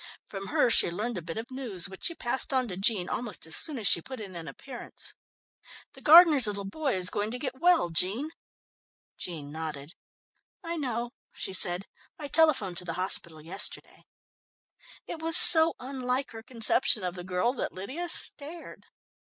From her she learnt a bit of news, which she passed on to Jean almost as soon as she put in an appearance. "The gardener's little boy is going to get well, Jean." Jean nodded. "I know," she said. "I telephoned to the hospital yesterday." It was so unlike her conception of the girl, that Lydia stared.